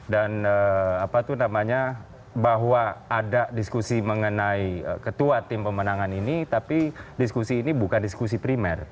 dan apa tuh namanya bahwa ada diskusi mengenai ketua tim pemenangan ini tapi diskusi ini bukan diskusi primer